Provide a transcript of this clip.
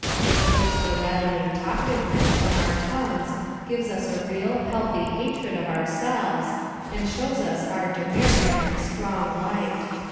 It clips the rattling talkativeness from our tongues, gives us a real, healthy hatred of ourselves, and shows us our demerit in a strong light.